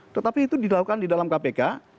tetapi itu dilakukan di dalam kpk